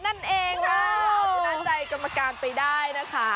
นั่นเองค่ะชนะใจกรรมการไปได้นะคะ